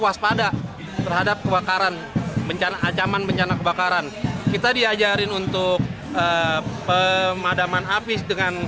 waspada terhadap kebakaran bencana ancaman bencana kebakaran kita diajarin untuk pemadaman api dengan